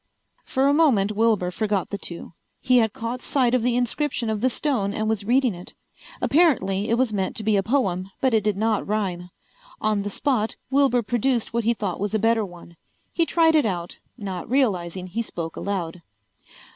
For a moment Wilbur forgot the two. He had caught sight of the inscription of the stone and was reading it. Apparently it was meant to be a poem but it did not rhyme. On the spot Wilbur produced what he thought was a better one. He tried it out, not realizing he spoke aloud.